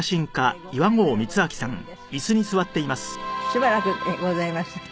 しばらくでございました。